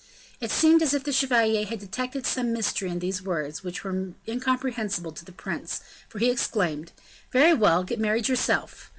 It seemed as if the chevalier had detected some mystery in these words, which were incomprehensible to the prince, for he exclaimed: "Very well, get married yourself."